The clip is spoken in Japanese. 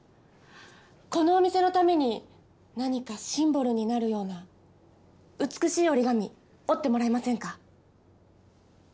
このお店のために何かシンボルになるような美しい折り紙折ってもらえませんか？